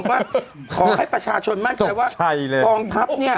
ว่าขอให้ประชาชนมั่นใจว่ากองทัพเนี่ย